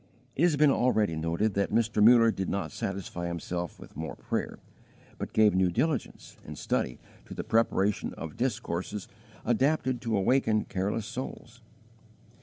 It has been already noted that Mr. Muller did not satisfy himself with more prayer, but gave new diligence and study to the preparation of discourses adapted to awaken careless souls.